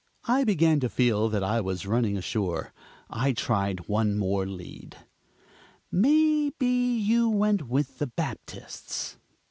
I began to feel that I was running ashore; I tried one more lead: "May be you went with the Baptists?"